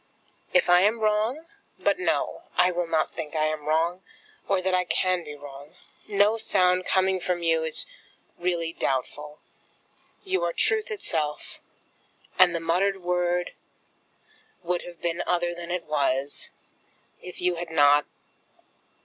If I am wrong ? But no; I will not think I am wrong, or that I can be wrong. No sound coming from you is really doubtful. You are truth itself, and the muttered word would have been other than it was, if you had not